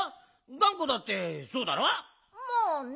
がんこだってそうだろ？まあね。